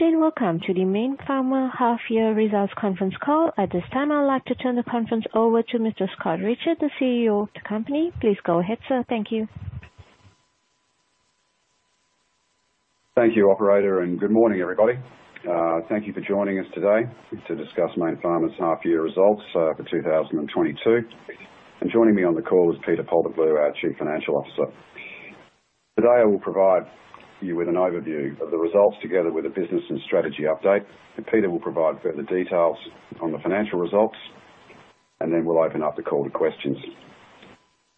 Good day, and welcome to the Mayne Pharma Half Year Results Conference Call. At this time, I would like to turn the conference over to Mr. Scott Richards, the CEO of the company. Please go ahead, sir. Thank you. Thank you, operator, and good morning, everybody. Thank you for joining us today to discuss Mayne Pharma's half year results for 2022. Joining me on the call is Peter Paltoglou, our Chief Financial Officer. Today, I will provide you with an overview of the results together with the business and strategy update. Peter will provide further details on the financial results, and then we'll open up the call to questions.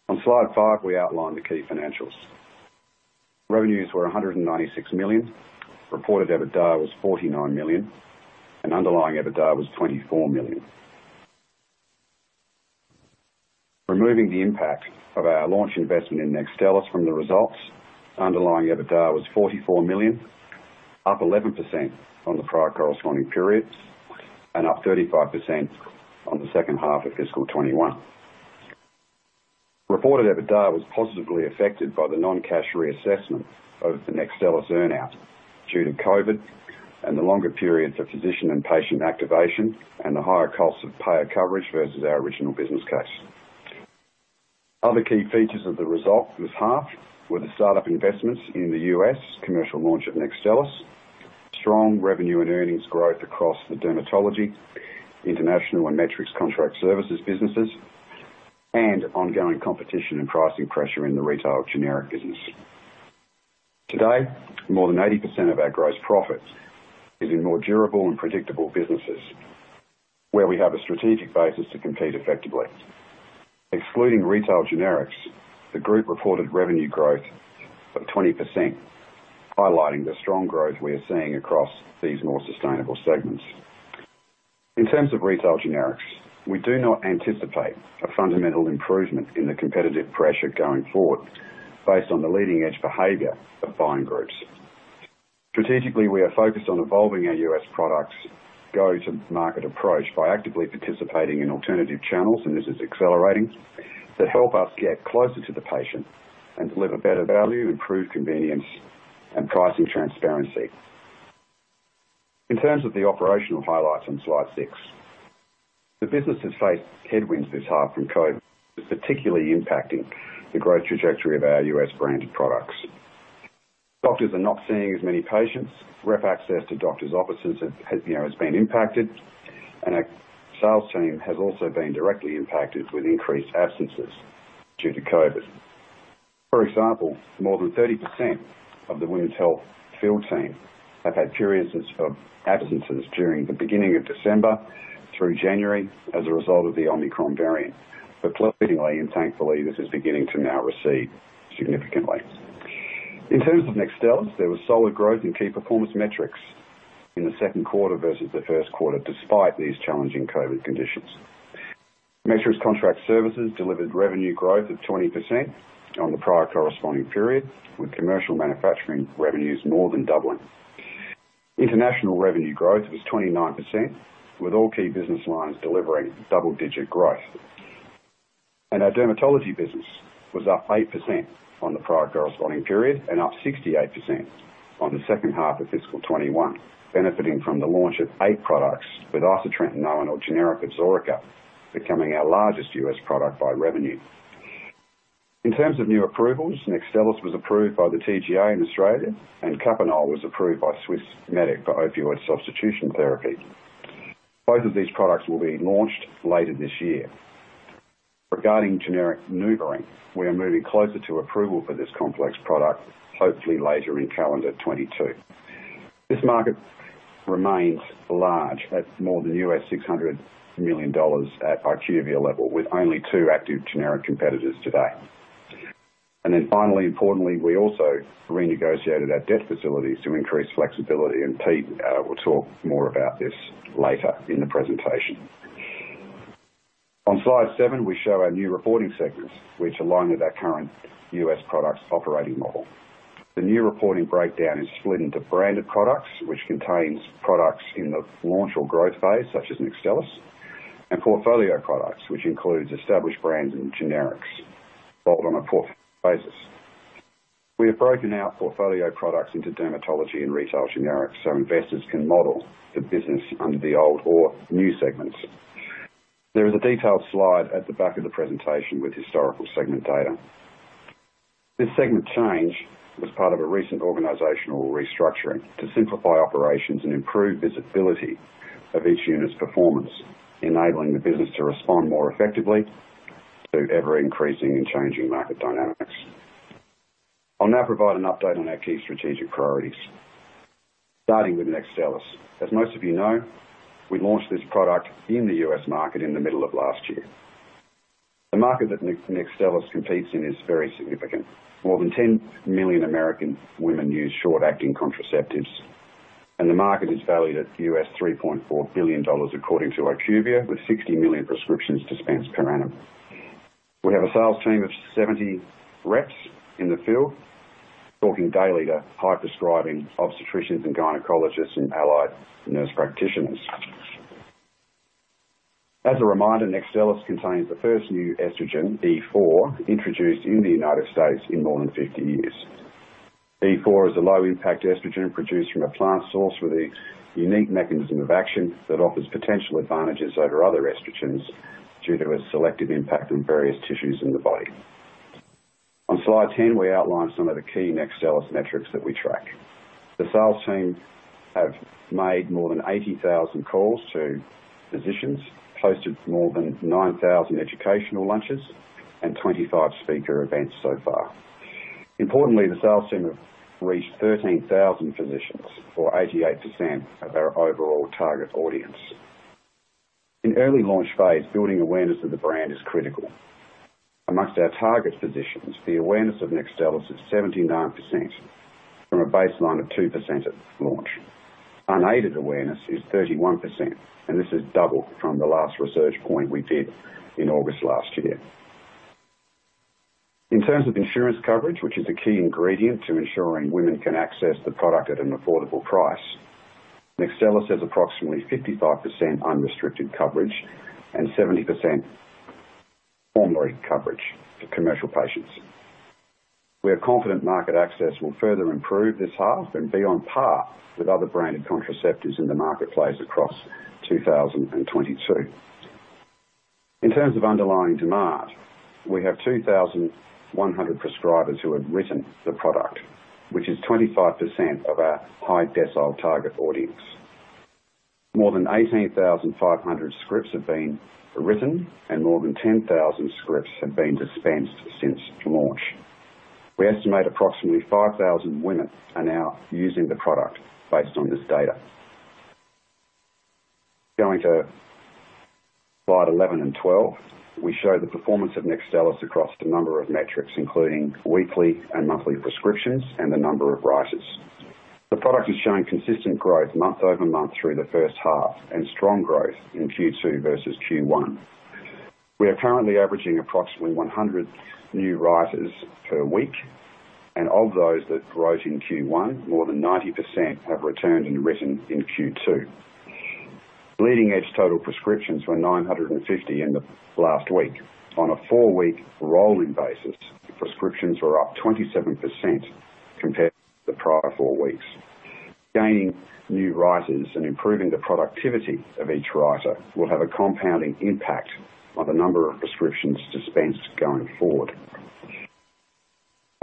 On slide five, we outline the key financials. Revenues were 196 million. Reported EBITDA was 49 million, and underlying EBITDA was 24 million. Removing the impact of our launch investment in NEXTSTELLIS from the results, underlying EBITDA was 44 million, up 11% from the prior corresponding periods and up 35% on the second half of fiscal 2021. Reported EBITDA was positively affected by the non-cash reassessment of the NEXTSTELLIS earn-out due to COVID and the longer periods of physician and patient activation and the higher costs of payer coverage versus our original business case. Other key features of the result this half were the start-up investments in the U.S. commercial launch of NEXTSTELLIS, strong revenue and earnings growth across the dermatology, international and Metrics Contract Services businesses, and ongoing competition and pricing pressure in the retail generic business. Today, more than 80% of our gross profit is in more durable and predictable businesses where we have a strategic basis to compete effectively. Excluding retail generics, the group reported revenue growth of 20%, highlighting the strong growth we are seeing across these more sustainable segments. In terms of retail generics, we do not anticipate a fundamental improvement in the competitive pressure going forward based on the leading-edge behavior of buying groups. Strategically, we are focused on evolving our U.S. products go-to-market approach by actively participating in alternative channels, and this is accelerating, that help us get closer to the patient and deliver better value, improved convenience, and pricing transparency. In terms of the operational highlights on slide six, the business has faced headwinds this half from COVID, particularly impacting the growth trajectory of our U.S. branded products. Doctors are not seeing as many patients. Rep access to doctors' offices has, you know, been impacted. Our sales team has also been directly impacted with increased absences due to COVID. For example, more than 30% of the women's health field team have had periods of absences during the beginning of December through January as a result of the Omicron variant. Clearly, and thankfully, this is beginning to now recede significantly. In terms of NEXTSTELLIS, there was solid growth in key performance metrics in the second quarter versus the first quarter, despite these challenging COVID conditions. Metrics Contract Services delivered revenue growth of 20% on the prior corresponding period, with commercial manufacturing revenues more than doubling. International revenue growth was 29%, with all key business lines delivering double-digit growth. Our dermatology business was up 8% on the prior corresponding period and up 68% on the second half of fiscal 2021, benefiting from the launch of 8 products with isotretinoin or generic of Absorica becoming our largest U.S. product by revenue. In terms of new approvals, NEXTSTELLIS was approved by the TGA in Australia, and KAPANOL was approved by Swissmedic for opioid substitution therapy. Both of these products will be launched later this year. Regarding generic NuvaRing, we are moving closer to approval for this complex product, hopefully later in calendar 2022. This market remains large at more than $600 million at IQVIA level, with only two active generic competitors today. Finally, importantly, we also renegotiated our debt facilities to increase flexibility, and Peter will talk more about this later in the presentation. On slide seven, we show our new reporting segments which align with our current U.S. products operating model. The new reporting breakdown is split into branded products, which contains products in the launch or growth phase such as NEXTSTELLIS, and portfolio products, which includes established brands and generics sold on a portfolio basis. We have broken our portfolio products into dermatology and retail generics so investors can model the business under the old or new segments. There is a detailed slide at the back of the presentation with historical segment data. This segment change was part of a recent organizational restructuring to simplify operations and improve visibility of each unit's performance, enabling the business to respond more effectively to ever-increasing and changing market dynamics. I'll now provide an update on our key strategic priorities, starting with NEXTSTELLIS. As most of you know, we launched this product in the U.S. market in the middle of last year. The market that NEXTSTELLIS competes in is very significant. More than 10 million American women use short-acting contraceptives, and the market is valued at $3.4 billion according to IQVIA, with 60 million prescriptions dispensed per annum. We have a sales team of 70 reps in the field talking daily to high-prescribing obstetricians and gynecologists and allied nurse practitioners. As a reminder, NEXTSTELLIS contains the first new estrogen, E4, introduced in the United States in more than 50 years. E4 is a low-impact estrogen produced from a plant source with a unique mechanism of action that offers potential advantages over other estrogens due to its selective impact on various tissues in the body. On slide 10, we outline some of the key NEXTSTELLIS metrics that we track. The sales team have made more than 80,000 calls to physicians, hosted more than 9,000 educational lunches and 25 speaker events so far. Importantly, the sales team have reached 13,000 physicians or 88% of our overall target audience. In early launch phase, building awareness of the brand is critical. Among our target physicians, the awareness of NEXTSTELLIS is 79% from a baseline of 2% at launch. Unaided awareness is 31%, and this is double from the last research point we did in August last year. In terms of insurance coverage, which is a key ingredient to ensuring women can access the product at an affordable price, NEXTSTELLIS has approximately 55% unrestricted coverage and 70% formulary coverage for commercial patients. We are confident market access will further improve this half and be on par with other branded contraceptives in the marketplace across 2022. In terms of underlying demand, we have 2,100 prescribers who have written the product, which is 25% of our high decile target audience. More than 18,500 scripts have been written and more than 10,000 scripts have been dispensed since launch. We estimate approximately 5,000 women are now using the product based on this data. Going to slide 11 and 12, we show the performance of NEXTSTELLIS across a number of metrics, including weekly and monthly prescriptions and the number of writers. The product has shown consistent growth month over month through the first half and strong growth in Q2 versus Q1. We are currently averaging approximately 100 new writers per week, and of those that wrote in Q1, more than 90% have returned and written in Q2. Leading edge total prescriptions were 950 in the last week. On a four-week rolling basis, prescriptions were up 27% compared to the prior four weeks. Gaining new writers and improving the productivity of each writer will have a compounding impact on the number of prescriptions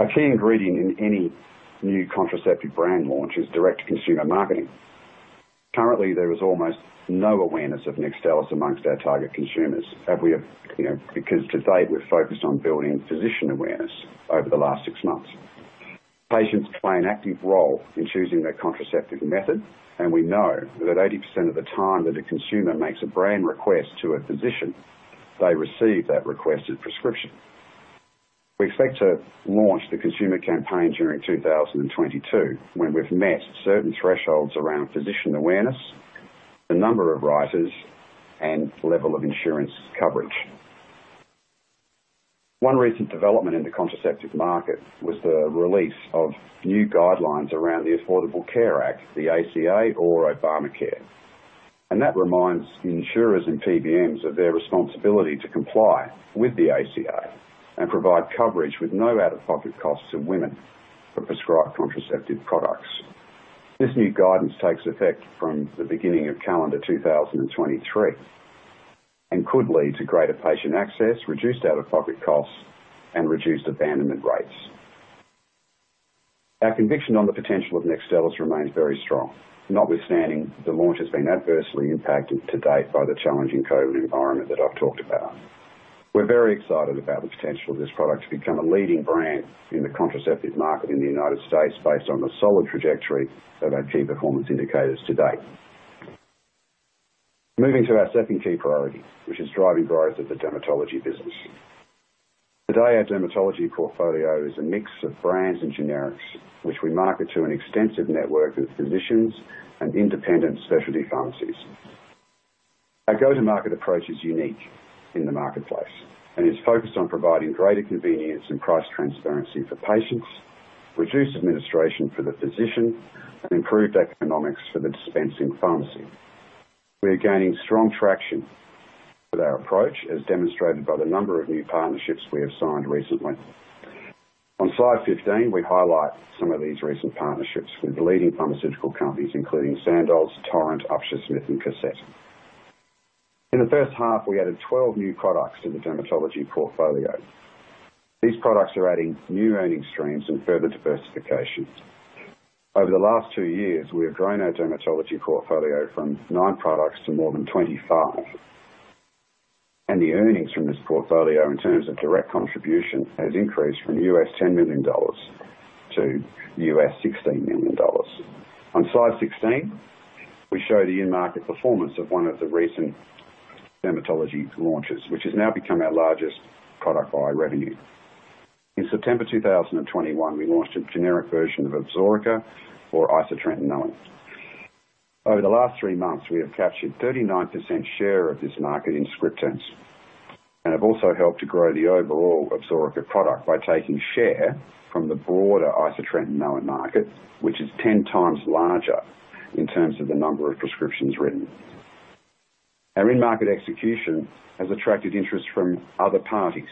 dispensed going forward. A key ingredient in any new contraceptive brand launch is direct consumer marketing. Currently, there is almost no awareness of NEXTSTELLIS among our target consumers, and we have, you know, because to date, we're focused on building physician awareness over the last six months. Patients play an active role in choosing their contraceptive method, and we know that 80% of the time that a consumer makes a brand request to a physician, they receive that requested prescription. We expect to launch the consumer campaign during 2022 when we've met certain thresholds around physician awareness, the number of writers, and level of insurance coverage. One recent development in the contraceptive market was the release of new guidelines around the Affordable Care Act, the ACA or Obamacare, and that reminds insurers and PBMs of their responsibility to comply with the ACA and provide coverage with no out-of-pocket costs to women for prescribed contraceptive products. This new guidance takes effect from the beginning of calendar 2023 and could lead to greater patient access, reduced out-of-pocket costs, and reduced abandonment rates. Our conviction on the potential of NEXTSTELLIS remains very strong. Notwithstanding, the launch has been adversely impacted to date by the challenging COVID environment that I've talked about. We're very excited about the potential of this product to become a leading brand in the contraceptive market in the United States based on the solid trajectory of our key performance indicators to date. Moving to our second key priority, which is driving growth of the dermatology business. Today, our dermatology portfolio is a mix of brands and generics, which we market to an extensive network of physicians and independent specialty pharmacies. Our go-to-market approach is unique in the marketplace and is focused on providing greater convenience and price transparency for patients, reduced administration for the physician, and improved economics for the dispensing pharmacy. We are gaining strong traction with our approach, as demonstrated by the number of new partnerships we have signed recently. On slide 15, we highlight some of these recent partnerships with leading pharmaceutical companies including Sandoz, Torrent, Upsher-Smith, and Cosette. In the first half, we added 12 new products to the dermatology portfolio. These products are adding new earning streams and further diversification. Over the last two years, we have grown our dermatology portfolio from nine products to more than 25, and the earnings from this portfolio in terms of direct contribution has increased from $10 million to $16 million. On slide 16, we show the in-market performance of one of the recent dermatology launches, which has now become our largest product by revenue. In September 2021, we launched a generic version of Absorica or isotretinoin. Over the last three months, we have captured 39% share of this market in script terms. We have also helped to grow the overall Absorica product by taking share from the broader isotretinoin market, which is 10 times larger in terms of the number of prescriptions written. Our in-market execution has attracted interest from other parties.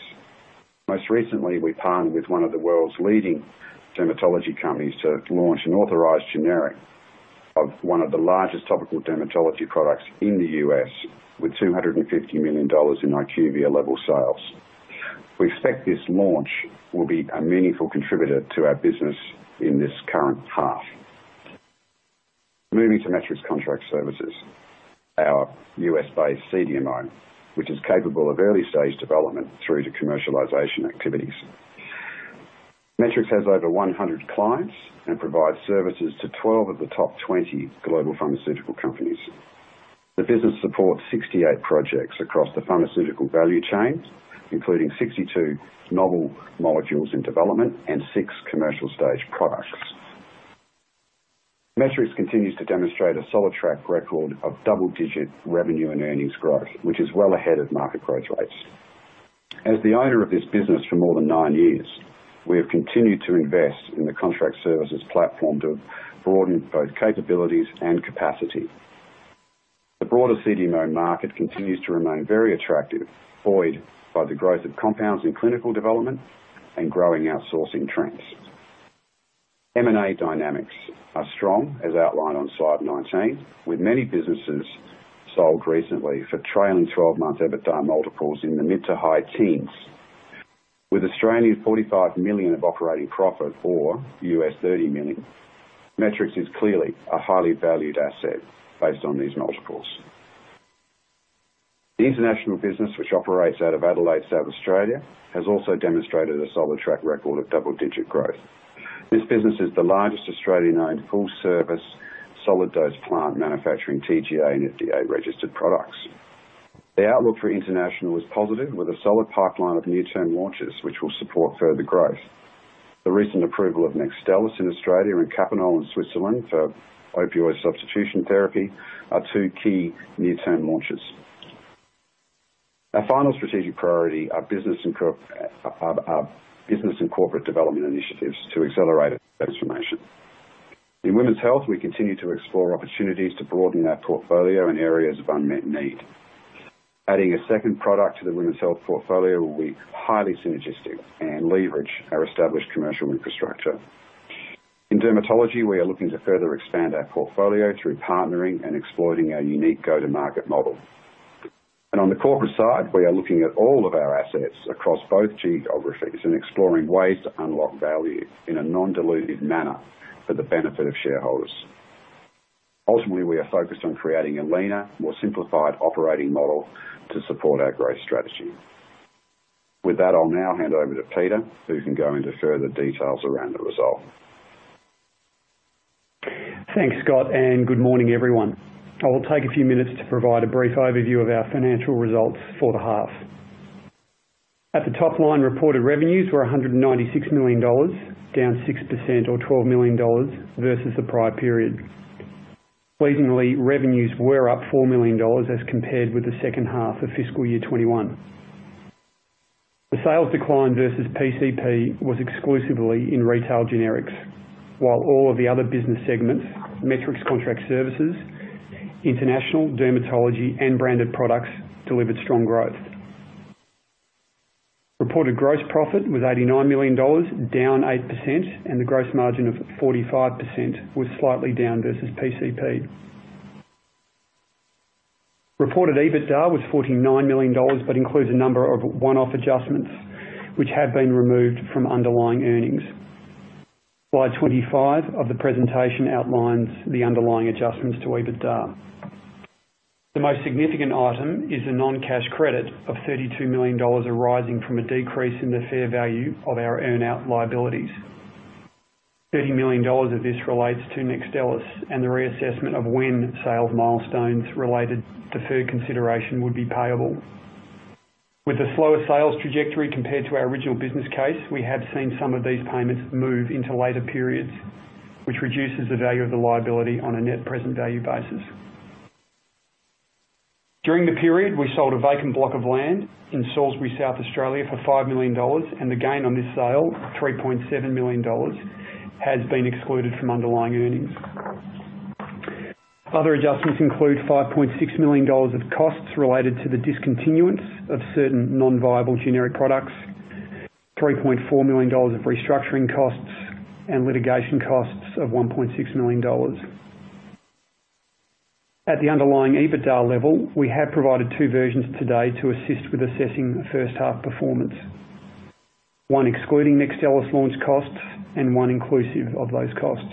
Most recently, we partnered with one of the world's leading dermatology companies to launch an authorized generic of one of the largest topical dermatology products in the U.S., with $250 million in IQVIA level sales. We expect this launch will be a meaningful contributor to our business in this current path. Moving to Metrics Contract Services, our U.S.-based CDMO, which is capable of early-stage development through to commercialization activities. Metrics has over 100 clients and provides services to 12 of the top 20 global pharmaceutical companies. The business supports 68 projects across the pharmaceutical value chain, including 62 novel molecules in development and six commercial-stage products. Metrics continues to demonstrate a solid track record of double-digit revenue and earnings growth, which is well ahead of market growth rates. As the owner of this business for more than 9 years, we have continued to invest in the contract services platform to broaden both capabilities and capacity. The broader CDMO market continues to remain very attractive, buoyed by the growth of compounds in clinical development and growing outsourcing trends. M&A dynamics are strong, as outlined on slide 19, with many businesses sold recently for trailing 12-month EBITDA multiples in the mid to high teens. With 45 million of operating profit or $30 million, Metrics is clearly a highly valued asset based on these multiples. The international business, which operates out of Adelaide, South Australia, has also demonstrated a solid track record of double-digit growth. This business is the largest Australian-owned full-service solid dose plant manufacturing TGA and FDA-registered products. The outlook for international is positive, with a solid pipeline of near-term launches, which will support further growth. The recent approval of NEXTSTELLIS in Australia and KAPANOL in Switzerland for opioid substitution therapy are two key near-term launches. Our final strategic priority are business and corporate development initiatives to accelerate transformation. In women's health, we continue to explore opportunities to broaden our portfolio in areas of unmet need. Adding a second product to the women's health portfolio will be highly synergistic and leverage our established commercial infrastructure. In dermatology, we are looking to further expand our portfolio through partnering and exploiting our unique go-to-market model. On the corporate side, we are looking at all of our assets across both geographies and exploring ways to unlock value in a non-dilutive manner for the benefit of shareholders. Ultimately, we are focused on creating a leaner, more simplified operating model to support our growth strategy. With that, I'll now hand over to Peter, who can go into further details around the result. Thanks, Scott, and good morning, everyone. I will take a few minutes to provide a brief overview of our financial results for the half. At the top line, reported revenues were 196 million dollars, down 6% or 12 million dollars versus the prior period. Pleasingly, revenues were up 4 million dollars as compared with the second half of fiscal year 2021. The sales decline versus PCP was exclusively in retail generics, while all of the other business segments, Metrics Contract Services, international, dermatology, and branded products, delivered strong growth. Reported gross profit was AUD 89 million, down 8%, and the gross margin of 45% was slightly down versus PCP. Reported EBITDA was 49 million dollars, but includes a number of one-off adjustments which have been removed from underlying earnings. Slide 25 of the presentation outlines the underlying adjustments to EBITDA. The most significant item is a non-cash credit of 32 million dollars arising from a decrease in the fair value of our earn-out liabilities. 30 million dollars of this relates to NEXTSTELLIS and the reassessment of when sales milestones related to fair consideration would be payable. With a slower sales trajectory compared to our original business case, we have seen some of these payments move into later periods, which reduces the value of the liability on a net present value basis. During the period, we sold a vacant block of land in Salisbury, South Australia, for 5 million dollars, and the gain on this sale, 3.7 million dollars, has been excluded from underlying earnings. Other adjustments include 5.6 million dollars of costs related to the discontinuance of certain non-viable generic products, 3.4 million dollars of restructuring costs, and litigation costs of 1.6 million dollars. At the underlying EBITDA level, we have provided two versions today to assist with assessing first half performance, one excluding NEXTSTELLIS launch costs and one inclusive of those costs.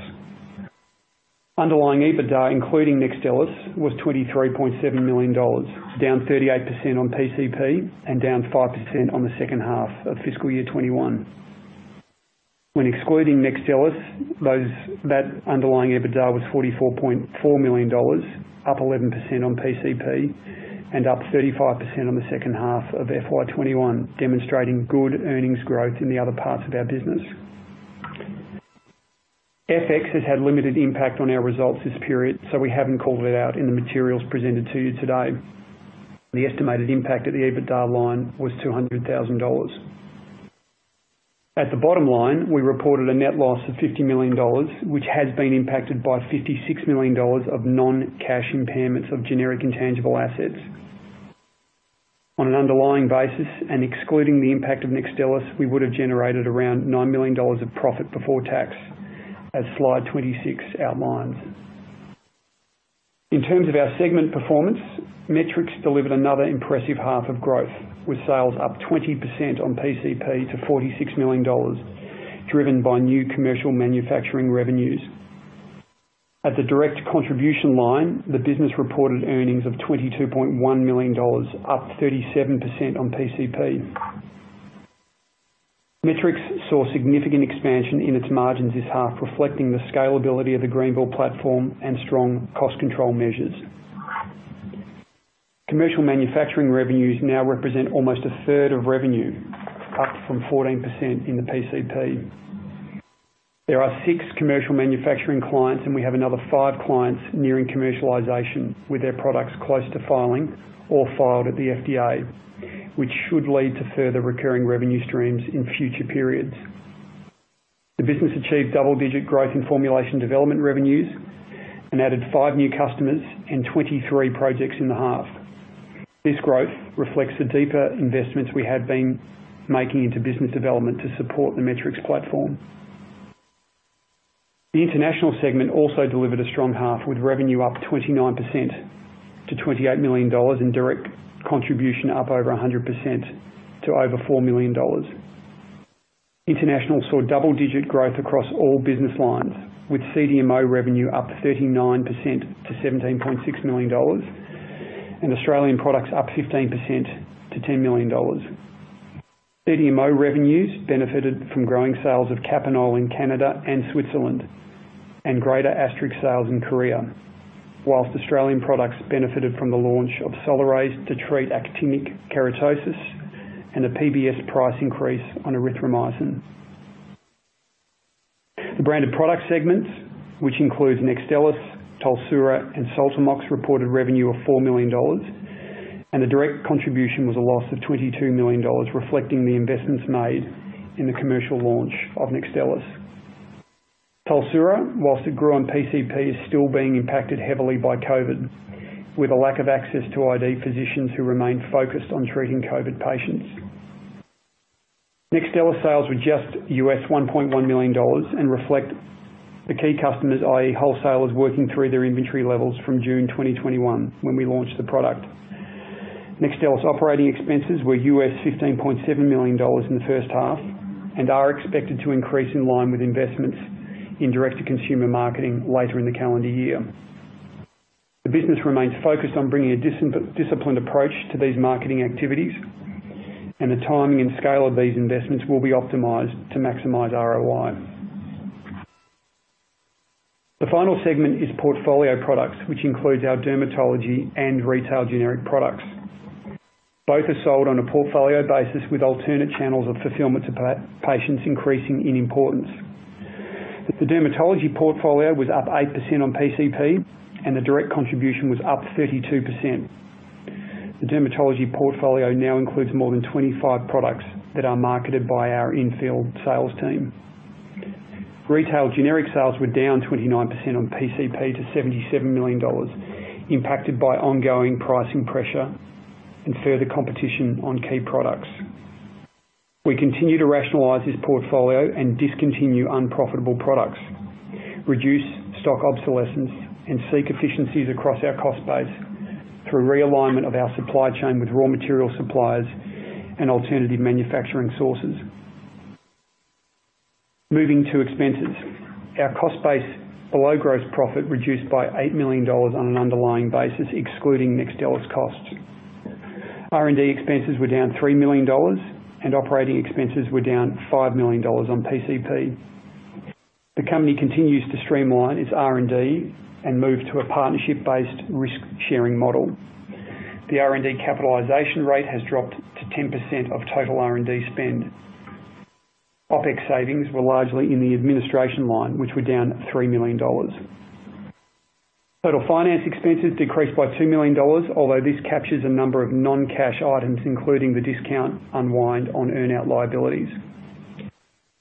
Underlying EBITDA, including NEXTSTELLIS, was 23.7 million dollars, down 38% on PCP and down 5% on the second half of fiscal year 2021. When excluding NEXTSTELLIS, that underlying EBITDA was 44.4 million dollars, up 11% on PCP and up 35% on the second half of FY 2021, demonstrating good earnings growth in the other parts of our business. FX has had limited impact on our results this period, so we haven't called it out in the materials presented to you today. The estimated impact on the EBITDA line was 200,000 dollars. At the bottom line, we reported a net loss of 50 million dollars, which has been impacted by 56 million dollars of non-cash impairments of generic intangible assets. On an underlying basis and excluding the impact of NEXTSTELLIS, we would have generated around 9 million dollars of profit before tax as slide 26 outlines. In terms of our segment performance, Metrics delivered another impressive half of growth, with sales up 20% on PCP to $46 million, driven by new commercial manufacturing revenues. At the direct contribution line, the business reported earnings of $22.1 million, up 37% on PCP. Metrics saw significant expansion in its margins this half, reflecting the scalability of the Greenville platform and strong cost control measures. Commercial manufacturing revenues now represent almost a third of revenue, up from 14% in the PCP. There are 6 commercial manufacturing clients, and we have another five clients nearing commercialization with their products close to filing or filed at the FDA, which should lead to further recurring revenue streams in future periods. The business achieved double-digit growth in formulation development revenues and added five new customers and 23 projects in the half. This growth reflects the deeper investments we have been making into business development to support the Metrics platform. The international segment also delivered a strong half, with revenue up 29% to 28 million dollars and direct contribution up over 100% to over 4 million dollars. International saw double-digit growth across all business lines, with CDMO revenue up 39% to 17.6 million dollars and Australian products up 15% to 10 million dollars. CDMO revenues benefited from growing sales of KAPANOL in Canada and Switzerland and greater Astrix sales in Korea. While Australian products benefited from the launch of Solaraze to treat actinic keratosis and a PBS price increase on erythromycin. The branded product segments, which includes NEXTSTELLIS, TOLSURA, and SOLTAMOX, reported revenue of $4 million, and the direct contribution was a loss of $22 million, reflecting the investments made in the commercial launch of NEXTSTELLIS. TOLSURA, while it grew on PCP, is still being impacted heavily by COVID, with a lack of access to ID physicians who remain focused on treating COVID patients. NEXTSTELLIS sales were just $1.1 million and reflect the key customers, i.e., wholesalers working through their inventory levels from June 2021 when we launched the product. NEXTSTELLIS operating expenses were $15.7 million in the first half and are expected to increase in line with investments in direct-to-consumer marketing later in the calendar year. The business remains focused on bringing a disciplined approach to these marketing activities, and the timing and scale of these investments will be optimized to maximize ROI. The final segment is portfolio products, which includes our dermatology and retail generic products. Both are sold on a portfolio basis with alternate channels of fulfillment to patients increasing in importance. The dermatology portfolio was up 8% on PCP and the direct contribution was up 32%. The dermatology portfolio now includes more than 25 products that are marketed by our in-field sales team. Retail generic sales were down 29% on PCP to 77 million dollars, impacted by ongoing pricing pressure and further competition on key products. We continue to rationalize this portfolio and discontinue unprofitable products, reduce stock obsolescence, and seek efficiencies across our cost base through realignment of our supply chain with raw material suppliers and alternative manufacturing sources. Moving to expenses. Our cost base below gross profit reduced by 8 million dollars on an underlying basis, excluding NEXTSTELLIS costs. R&D expenses were down 3 million dollars and operating expenses were down 5 million dollars on PCP. The company continues to streamline its R&D and move to a partnership-based risk-sharing model. The R&D capitalization rate has dropped to 10% of total R&D spend. OPEX savings were largely in the administration line, which were down 3 million dollars. Total finance expenses decreased by 2 million dollars, although this captures a number of non-cash items, including the discount unwind on earn-out liabilities.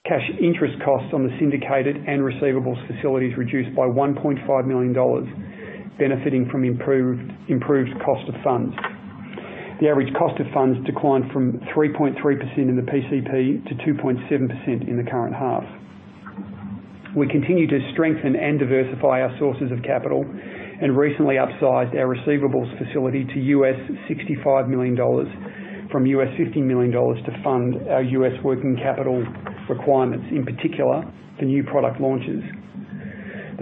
Cash interest costs on the syndicated and receivables facilities reduced by 1.5 million dollars, benefiting from improved cost of funds. The average cost of funds declined from 3.3% in the PCP to 2.7% in the current half. We continue to strengthen and diversify our sources of capital and recently upsized our receivables facility to $65 million from $50 million to fund our U.S. working capital requirements, in particular, the new product launches.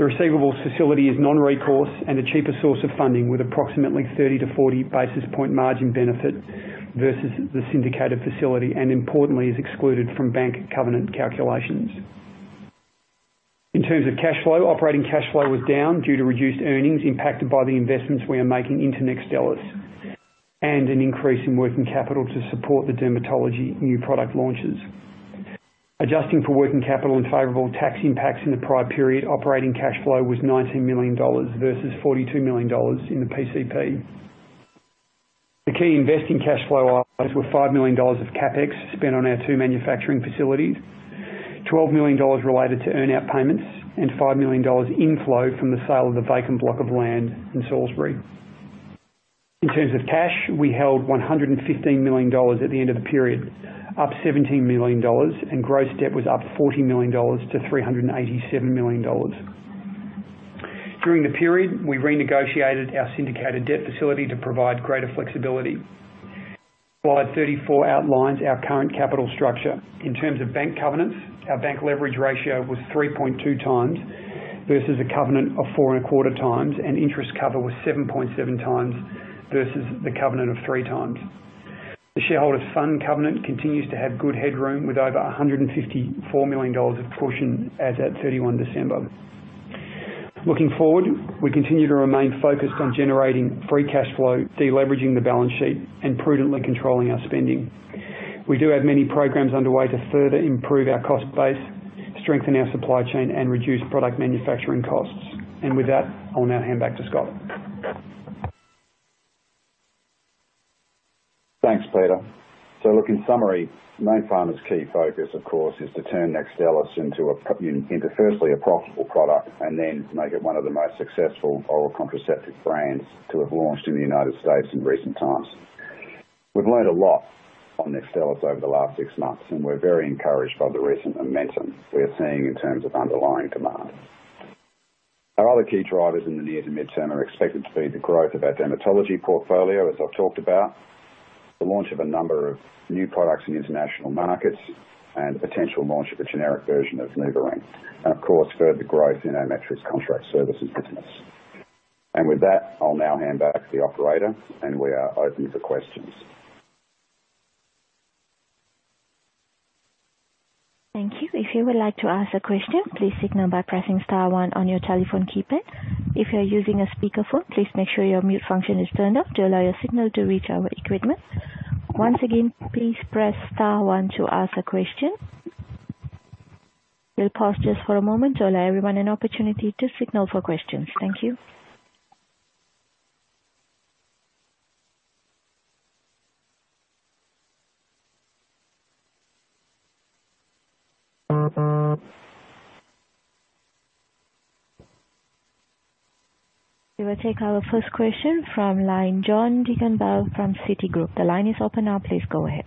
The receivables facility is non-recourse and a cheaper source of funding with approximately 30 to 40 basis point margin benefit versus the syndicated facility, and importantly, is excluded from bank covenant calculations. In terms of cash flow, operating cash flow was down due to reduced earnings impacted by the investments we are making into NEXTSTELLIS, and an increase in working capital to support the dermatology new product launches. Adjusting for working capital and favorable tax impacts in the prior period, operating cash flow was 19 million dollars versus 42 million dollars in the PCP. The key investing cash flow items were 5 million dollars of CapEx spent on our two manufacturing facilities, 12 million dollars related to earn out payments, and 5 million dollars inflow from the sale of the vacant block of land in Salisbury. In terms of cash, we held 115 million dollars at the end of the period, up 17 million dollars, and gross debt was up 14 million dollars to 387 million dollars. During the period, we renegotiated our syndicated debt facility to provide greater flexibility. Slide 34 outlines our current capital structure. In terms of bank covenants, our bank leverage ratio was 3.2 times versus a covenant of 4.25 times, and interest cover was 7.7 times versus the covenant of 3 times. The shareholder fund covenant continues to have good headroom with over 154 million dollars of cushion as at 31 December. Looking forward, we continue to remain focused on generating free cash flow, de-leveraging the balance sheet, and prudently controlling our spending. We do have many programs underway to further improve our cost base, strengthen our supply chain, and reduce product manufacturing costs. With that, I'll now hand back to Scott. Thanks, Peter. Look, in summary, Mayne Pharma's key focus, of course, is to turn NEXTSTELLIS into firstly, a profitable product and then make it one of the most successful oral contraceptive brands to have launched in the United States in recent times. We've learned a lot on NEXTSTELLIS over the last six months, and we're very encouraged by the recent momentum we are seeing in terms of underlying demand. Our other key drivers in the near to mid-term are expected to be the growth of our dermatology portfolio, as I've talked about, the launch of a number of new products in the international markets, and potential launch of a generic version of NuvaRing, and of course, further growth in our Metrics Contract Services business. With that, I'll now hand back to the operator, and we are open for questions. Thank you. If you would like to ask a question, please signal by pressing star one on your telephone keypad. If you are using a speakerphone, please make sure your mute function is turned off to allow your signal to reach our equipment. Once again, please press star one to ask a question. We'll pause just for a moment to allow everyone an opportunity to signal for questions. Thank you. We will take our first question from line, John Deakin-Bell from Citigroup. The line is open now. Please go ahead.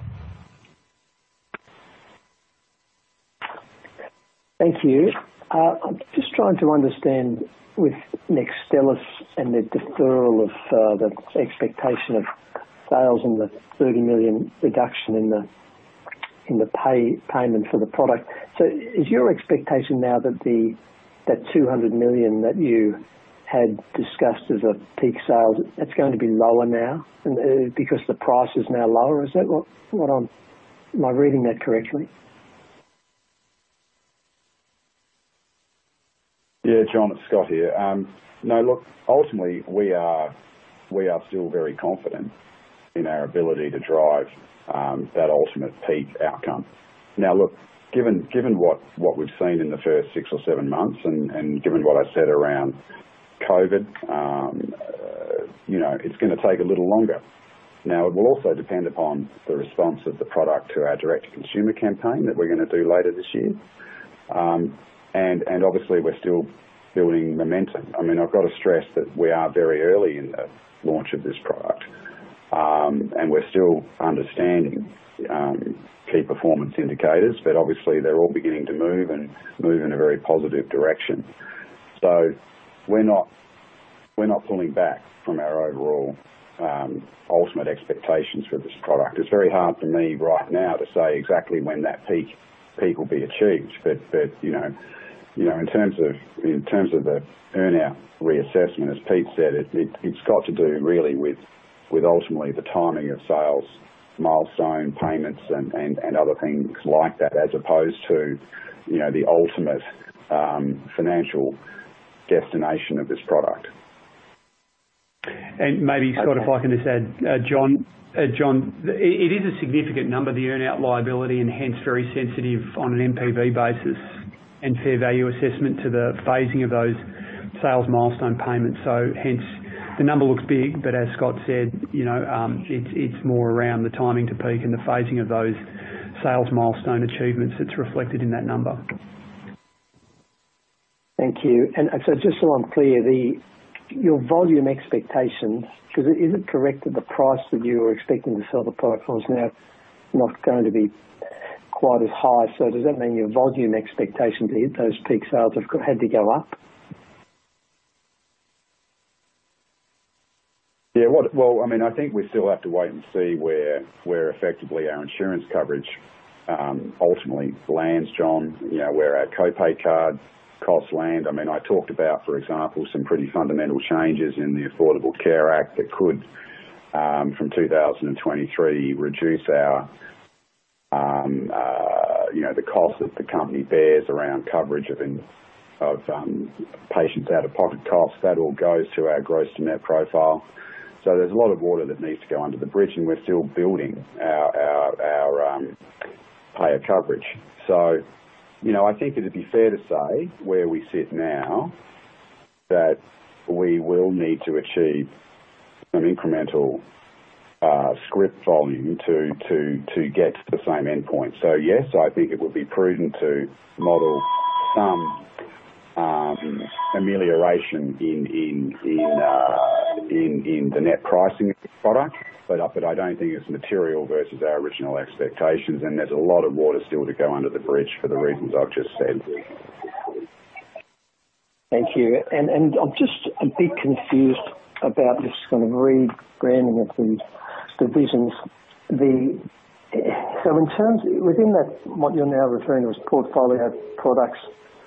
Thank you. I'm just trying to understand with NEXTSTELLIS and the deferral of the expectation of sales and the 30 million reduction in the payment for the product. Is your expectation now that 200 million that you had discussed as a peak sales, it's going to be lower now because the price is now lower? Am I reading that correctly? Yeah, John, it's Scott here. Now look, ultimately, we are still very confident in our ability to drive that ultimate peak outcome. Now look, given what we've seen in the first six or seven months and given what I said around COVID, you know, it's gonna take a little longer. Now, it will also depend upon the response of the product to our direct consumer campaign that we're gonna do later this year. And obviously, we're still building momentum. I mean, I've got to stress that we are very early in the launch of this product, and we're still understanding key performance indicators, but obviously they're all beginning to move and move in a very positive direction. We're not pulling back from our overall ultimate expectations for this product. It's very hard for me right now to say exactly when that peak will be achieved. You know, in terms of the earn-out reassessment, as Pete said, it's got to do really with ultimately the timing of sales, milestone payments and other things like that, as opposed to, you know, the ultimate financial destination of this product. Maybe, Scott, if I can just add, John, it is a significant number, the earn-out liability, and hence very sensitive on an NPV basis and fair value assessment to the phasing of those sales milestone payments. Hence, the number looks big, but as Scott said, you know, it's more around the timing to peak and the phasing of those sales milestone achievements that's reflected in that number. Thank you. Just so I'm clear, the your volume expectation, cause is it correct that the price that you were expecting to sell the product was now not going to be quite as high? Does that mean your volume expectation to hit those peak sales had to go up? Well, I mean, I think we still have to wait and see where effectively our insurance coverage ultimately lands, John. You know, where our co-pay card costs land. I mean, I talked about, for example, some pretty fundamental changes in the Affordable Care Act that could, from 2023, reduce the cost that the company bears around coverage of patients out-of-pocket costs. That all goes to our gross net profile. There's a lot of water that needs to go under the bridge, and we're still building our payer coverage. You know, I think it'd be fair to say where we sit now, that we will need to achieve some incremental script volume to get to the same endpoint. Yes, I think it would be prudent to model some amelioration in the net pricing of the product. I don't think it's material versus our original expectations, and there's a lot of water still to go under the bridge for the reasons I've just said. Thank you. I'm just a bit confused about this kind of rebranding of the divisions. Within that, what you're now referring to as portfolio products,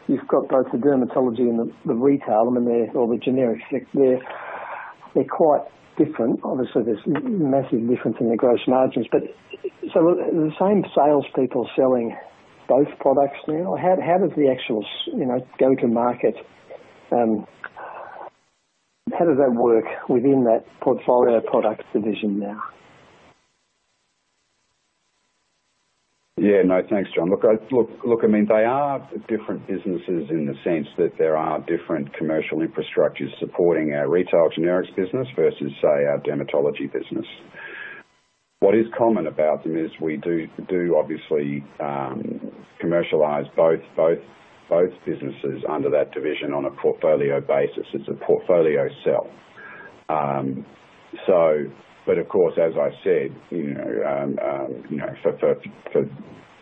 you've got both the dermatology and the retail. I mean, they're all the generic section there. They're quite different. Obviously, there's massive difference in the gross margins. Are the same sales people selling both products now? How does the actual go to market? How does that work within that portfolio products division now? Yeah. No, thanks, John. Look, I mean, they are different businesses in the sense that there are different commercial infrastructures supporting our retail generics business versus, say, our dermatology business. What is common about them is we do obviously commercialize both businesses under that division on a portfolio basis. It's a portfolio sell. So, but of course, as I said, you know, for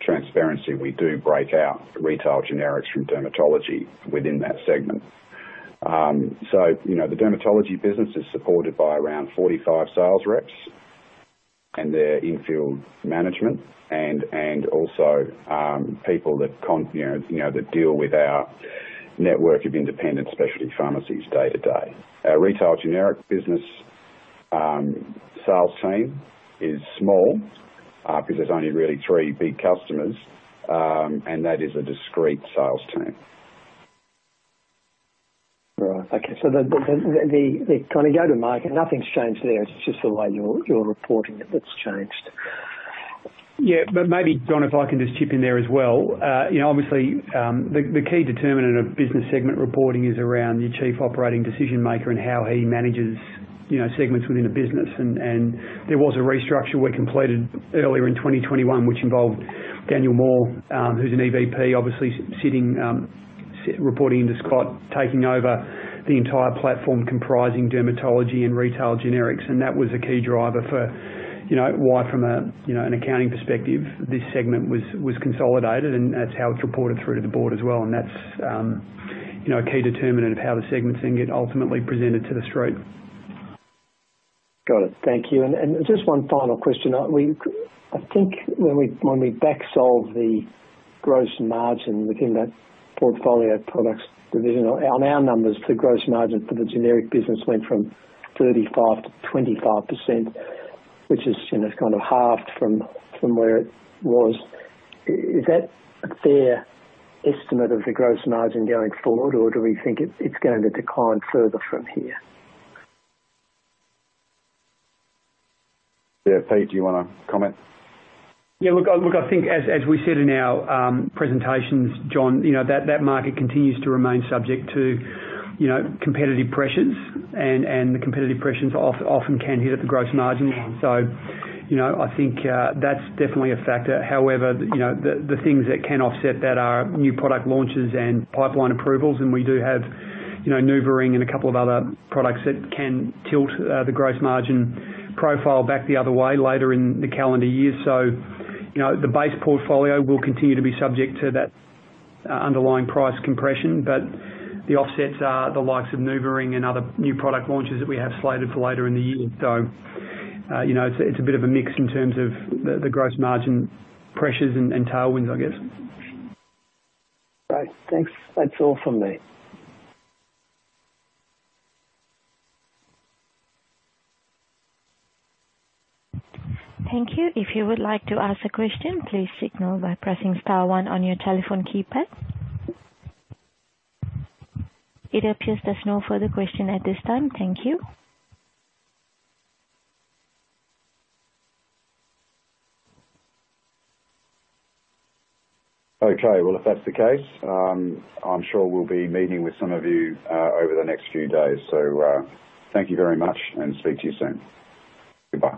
transparency, we do break out retail generics from dermatology within that segment. So, you know, the dermatology business is supported by around 45 sales reps, and their in-field management and also people that deal with our network of independent specialty pharmacies day to day. Our retail generic business sales team is small because there's only really three big customers, and that is a discrete sales team. Right. Okay. The kind of go-to-market, nothing's changed there. It's just the way you're reporting it that's changed. Yeah. Maybe, John, if I can just chip in there as well. You know, obviously, the key determinant of business segment reporting is around your chief operating decision maker and how he manages, you know, segments within a business. There was a restructure we completed earlier in 2021, which involved Daniel Moore, who's an EVP, obviously sitting, reporting into Scott, taking over the entire platform comprising dermatology and retail generics. That was a key driver for, you know, why from a, you know, an accounting perspective, this segment was consolidated, and that's how it's reported through to the board as well. That's, you know, a key determinant of how the segmenting gets ultimately presented to the street. Got it. Thank you. Just one final question. I think when we back solve the gross margin within that portfolio products division, on our numbers, the gross margin for the generic business went from 35% to 25%, which is kind of halved from where it was. Is that a fair estimate of the gross margin going forward, or do we think it's gonna decline further from here? Yeah. Pete, do you wanna comment? Look, I think as we said in our presentations, John, you know, that market continues to remain subject to, you know, competitive pressures. The competitive pressures often can hit at the gross margins. You know, I think that's definitely a factor. However, you know, the things that can offset that are new product launches and pipeline approvals. We do have, you know, NuvaRing and a couple of other products that can tilt the gross margin profile back the other way later in the calendar year. You know, the base portfolio will continue to be subject to that underlying price compression. The offsets are the likes of NuvaRing and other new product launches that we have slated for later in the year. You know, it's a bit of a mix in terms of the gross margin pressures and tailwinds, I guess. Great. Thanks. That's all from me. Thank you. If you would like to ask a question, please signal by pressing star one on your telephone keypad. It appears there's no further question at this time. Thank you. Okay. Well, if that's the case, I'm sure we'll be meeting with some of you over the next few days. Thank you very much, and speak to you soon. Goodbye.